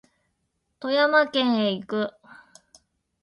富山県へ行く